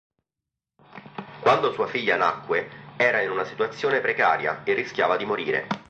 Quando sua figlia nacque, era in una situazione precaria e rischiava di morire.